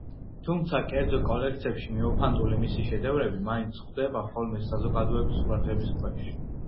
თუმცა კერძო კოლექცებში მიმოფანტული მისი შედევრები, მაინც ხვდება ხოლმე საზოგადოების ყურადღების ქვეშ.